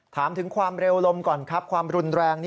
ถามถึงความเร็วลมก่อนครับความรุนแรง